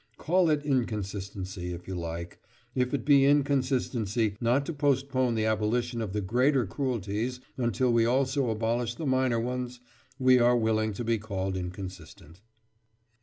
Call it inconsistency, if you like. If it be inconsistency not to postpone the abolition of the greater cruelties until we also abolish the minor ones, we are willing to be called inconsistent.